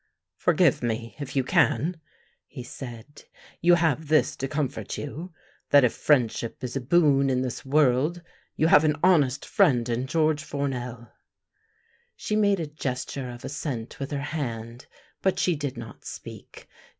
Forgive me, if you can," he said. " You have this to comfort you, that if friendship is a boon in this world you have an honest friend in George Fournel." She made a gesture of assent with her hand, but she did not speak.